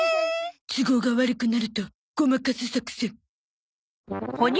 都合が悪くなるとごまかす作戦。